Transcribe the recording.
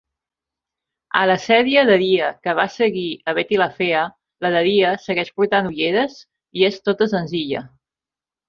A la sèrie "Daria" que va seguir a "Betty, la fea", la Daria segueix portant ulleres i és tota senzilla.